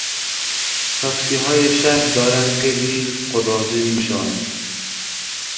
تاکسیهای شهر دارند خیلی قراضه میشوند.